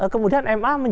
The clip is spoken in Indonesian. kemudian ma menyebabkan